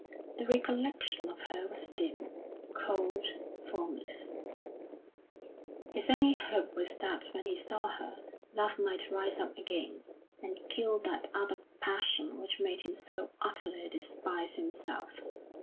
The recollection of her was dim, cold, formless; his only hope was that when he saw her love might rise up again, and kill that other passion which made him so utterly despise himself.